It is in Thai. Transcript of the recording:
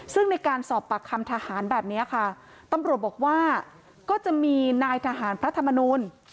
ซึ่งในการสอบปากคำทหารแบบนี้ค่ะตำรวจบอกว่าก็จะมีนายทหารพระธรรมนูล